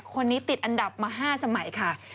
คนนี้ติดอันดับมา๕สมัยค่ะ